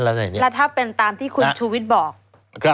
แล้วถ้าเป็นตามที่คุณชูวิทย์บอก